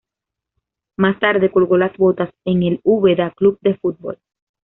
Más tarde colgó las botas en el Úbeda Club de Fútbol.